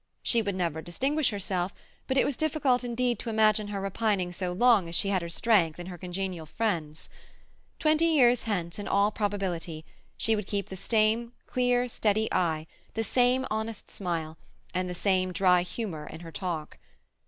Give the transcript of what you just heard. She would never distinguish herself, but it was difficult indeed to imagine her repining so long as she had her strength and her congenial friends. Twenty years hence, in all probability, she would keep the same clear, steady eye, the same honest smile, and the same dry humour in her talk.